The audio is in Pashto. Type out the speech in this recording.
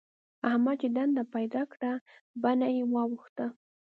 احمد چې دنده پيدا کړه؛ بڼه يې واوښته.